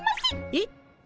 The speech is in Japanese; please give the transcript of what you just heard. えっ？